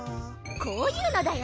こういうのだよ。